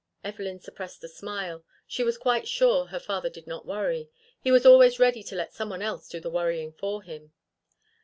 Evelyn suppressed a smile. She was quite sure her father did not worry. He was always ready to let someone else do the worrying for him.